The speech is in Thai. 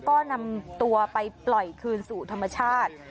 ก็นำตัวไปปล่อยคืนสู่ธรรมชาติ